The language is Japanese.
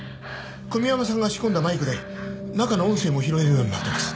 小宮山さんが仕込んだマイクで中の音声も拾えるようになってます。